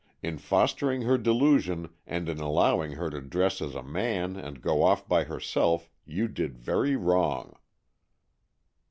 In fostering her delu sion, and in allowing her to dress as a man and to go off by herself, you did very wrong."